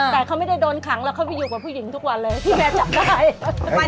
แต่เขาไม่ได้โดนขังแล้วเขาไปอยู่กับผู้หญิงทุกวันเลยที่แม่จับได้